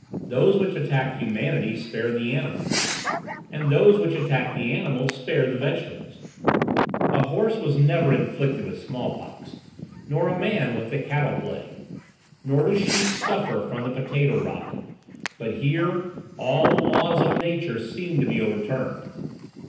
Those which attack humanity spare the animals, and those which attack the animals spare the vegetables. A horse was never inflicted with smallpox, nor a man with the cattle plague, nor do sheep suffer from the potato rot. But here all the laws of nature seemed to be overturned.